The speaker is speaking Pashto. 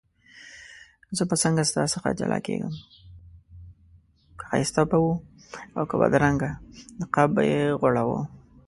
که ښایسته به و او که بدرنګه نقاب به یې غوړاوه.